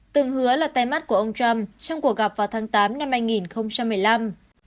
từng hứa là tay mắt của ông trump trong cuộc gặp vào tháng tám năm hai nghìn một mươi năm